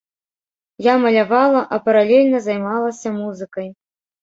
Я малявала, а паралельна займалася музыкай.